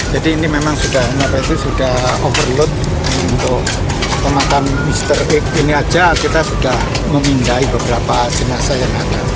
jadi ini memang sudah overload untuk pemakanan mr x ini saja kita sudah memindai beberapa jenazah yang ada